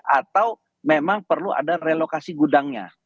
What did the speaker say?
atau memang perlu ada relokasi gudangnya